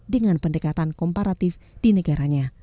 dengan pendekatan komparatif di negaranya